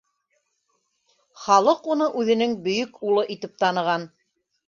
Халыҡ уны үҙенең бөйөк улы итеп таныған.